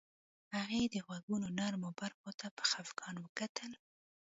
هغې د غوږونو نرمو برخو ته په خفګان وکتل